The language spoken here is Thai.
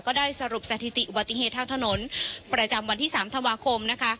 ก็ได้สรุปสถิติอุบัติเหตุทางถนนประจำวันที่๓ธันวาคมนะคะ